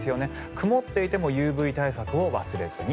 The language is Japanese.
曇っていてもＵＶ対策を忘れずに。